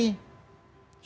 supaya ada berdoa